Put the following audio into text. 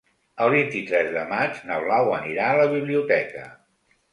El vint-i-tres de maig na Blau anirà a la biblioteca.